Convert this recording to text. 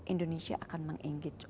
indonesia akan meng engage